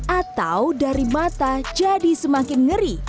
atau dari mata jadi semakin ngeri